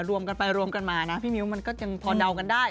รวมกันไปรวมกันมานะพี่มิ้วมันก็ยังพอเดากันได้